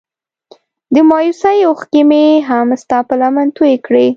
د مايوسۍ اوښکې مې هم ستا په لمن توی کړې.